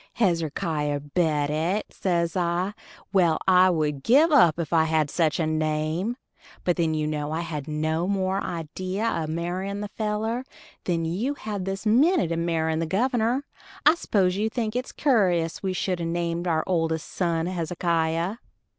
"Hezekier Bedott," says I, "well, I would give up if I had sich a name," but then you know I had no more idee o' marryin' the feller than you had this minnit o' marryin' the governor. I s'pose you think it's curus we should a named our oldest son Hezekiah.